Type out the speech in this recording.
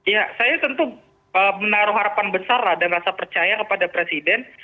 ya saya tentu menaruh harapan besar ada rasa percaya kepada presiden